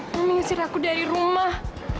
mami ngusir aku dari rumah